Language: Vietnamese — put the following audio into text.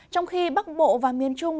trong khi bắc bộ và miền trung